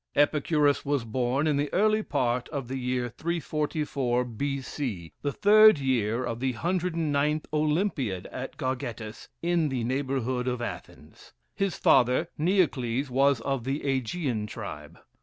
Epicurus was born in the early part of the year 344, B. C, the third year of the 109th Olympiad, at Gargettus, in the neighborhood of Athens. His father, Neocles, was of the Ægean tribe.